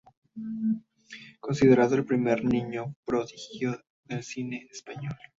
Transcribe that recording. Considerado el primer "niño prodigio" del cine español.